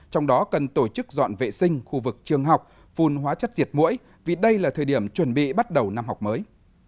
trong đó cần tổ chức dọn vệ sinh khu vực trường học phun hóa chất diệt mũi vì đây là thời điểm chuẩn bị bắt đầu năm học mới